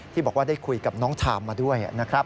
ที่บอกว่าได้คุยกับน้องทามมาด้วยนะครับ